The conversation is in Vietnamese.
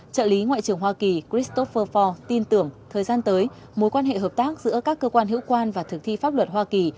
trợ lý ngoại trưởng hoa kỳ christopher for tin tưởng thời gian tới mối quan hệ hợp tác giữa các cơ quan hữu quan và thực thi pháp luật hoa kỳ